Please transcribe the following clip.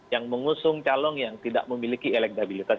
yang mengusung calon yang tidak memiliki elektabilitas